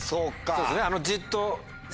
そうですよね。